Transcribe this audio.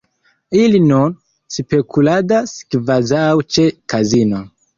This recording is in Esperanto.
Ili nur spekuladas kvazaŭ ĉe kazino.